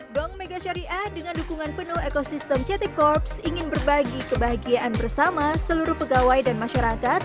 bank mega syariah dengan dukungan penuh ekosistem ct corps ingin berbagi kebahagiaan bersama seluruh pegawai dan masyarakat